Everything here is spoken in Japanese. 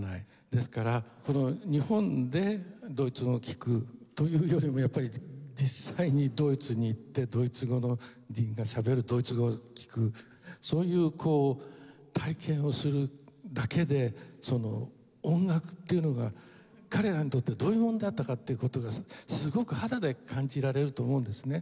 ですからこの日本でドイツ語を聞くというよりもやっぱり実際にドイツに行ってドイツ人がしゃべるドイツ語を聞くそういう体験をするだけで音楽っていうのが彼らにとってどういうものだったかっていう事がすごく肌で感じられると思うんですね。